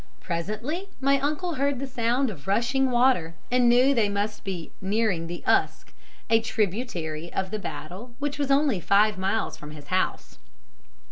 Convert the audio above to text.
"Presently my uncle heard the sound of rushing water, and knew they must be nearing the Usk, a tributary of the Battle, which was only five miles from his house.